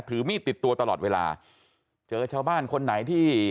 ถือมีดติดตัวตลอดเวลาเจอชาวบ้านคนไหนที่